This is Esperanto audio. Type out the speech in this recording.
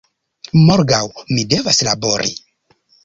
Morgaŭ mi devas labori"